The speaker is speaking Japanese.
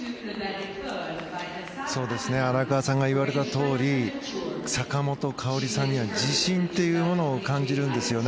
荒川さんが言われたとおり坂本花織さんには自信というものを感じるんですよね。